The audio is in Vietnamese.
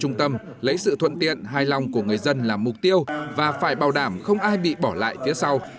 trung tâm lấy sự thuận tiện hài lòng của người dân là mục tiêu và phải bảo đảm không ai bị bỏ lại phía sau